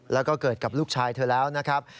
แล้วก็เกิดกับลูกชายเธอแล้วนะครับ